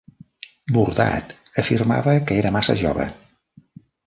Bordat afirmava que era massa jove.